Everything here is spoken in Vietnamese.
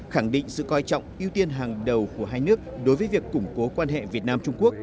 khẳng định sự coi trọng ưu tiên hàng đầu của hai nước đối với việc củng cố quan hệ việt nam trung quốc